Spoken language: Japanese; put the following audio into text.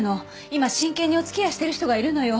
今真剣にお付き合いしてる人がいるのよ。